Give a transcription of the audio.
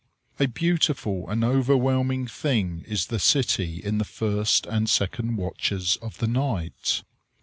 A beautiful and overwhelming thing is the city in the first and second watches of the night.